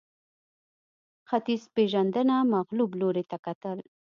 ختیځپېژندنه مغلوب لوري ته کتل